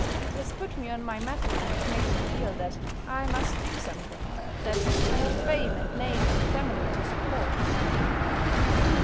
It has put me on my mettle and made me feel that I must do something; that I have fame and name and family to support."